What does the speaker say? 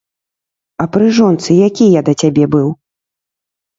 А пры жонцы які я да цябе быў?